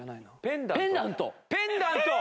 「ペンダント」？